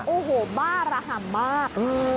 โอ้โหบ้าระห่ำมาก